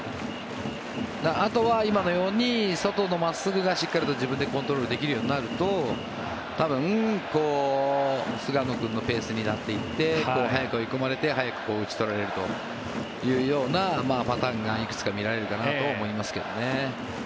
あとは今のように外の真っすぐが自分でしっかりとコントロールできるようになると多分菅野君のペースになっていって早く追い込まれて早く打ち取られるというようなパターンがいくつか見られるかなと思いますけどね。